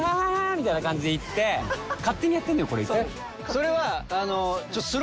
それは。